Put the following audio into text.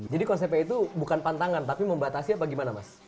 jadi konsepnya itu bukan pantangan tapi membatasi apa gimana mas